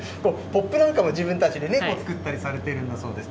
ポップなんかも自分たちで作ったりされているんだそうです。